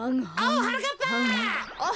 おうはなかっぱ。